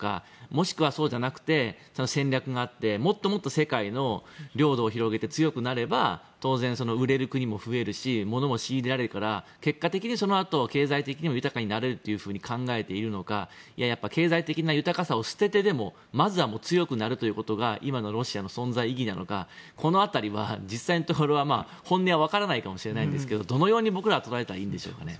もしくは、そうじゃなくて戦略があってもっともっと世界の領土を広げて強くなれば当然、売れる国も増えるしものも仕入れられるから結果的にそのあと経済的にも豊かになれると考えているのか、それとも経済的な豊かさを捨ててでもまずは強くなるということが今のロシアの存在意義なのかこの辺りは、実際のところは本音は分からないと思うんですけどどのように僕らは捉えたらいいんでしょうか。